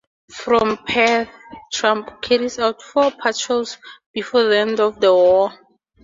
From Perth, "Trump" carried out four patrols before the end of the war.